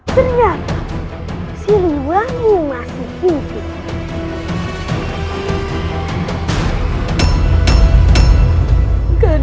ternyata sriwangi masih simpang